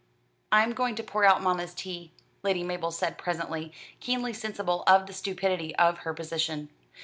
"I am going to pour out mamma's tea," Lady Mabel said presently, keenly sensible of the stupidity of her position.